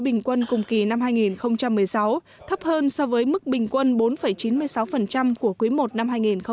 bình quân cùng kỳ năm hai nghìn một mươi sáu thấp hơn so với mức bình quân bốn chín mươi sáu của quý i năm hai nghìn một mươi tám